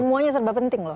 semuanya serba penting loh